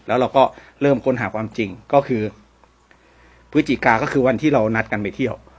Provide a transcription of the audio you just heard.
แล้วเราก็เริ่มค้นหาความจริงก็คือพฤศจิกาก็คือวันที่เรานัดกันไปเที่ยว